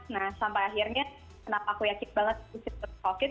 nah sampai akhirnya kenapa aku yakin banget kehip keraatan covid sembilan belas